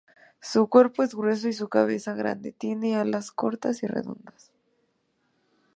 Su cuerpo es grueso y su cabeza grande, tiene alas cortas y redondeadas.